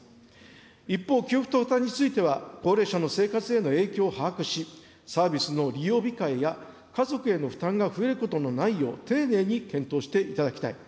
一方、給付と負担については高齢者の生活への影響を把握し、サービスの利用控えや、家族への負担が増えることのないよう丁寧に検討していただきたい。